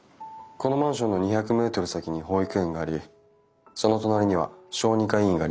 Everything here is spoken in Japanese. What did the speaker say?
このマンションの２００メートル先に保育園がありその隣には小児科医院があります。